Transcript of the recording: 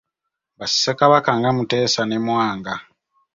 Ba ssekabaka nga Mutesa ne Mwanga.